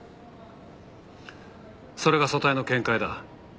それが組対の見解だ。